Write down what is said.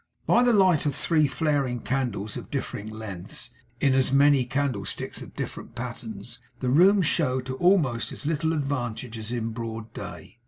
By the light of three flaring candles of different lengths, in as many candlesticks of different patterns, the room showed to almost as little advantage as in broad day.